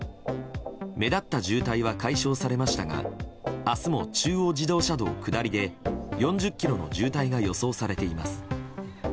目立った渋滞は解消されましたが明日も中央自動車道下りで４０ｋｍの渋滞が予想されています。